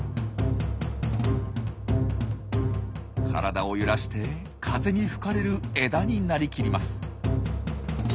体を揺らして風に吹かれる枝になりきります。